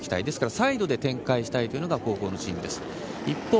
ですからサイドで展開したいというのが後攻のチームです。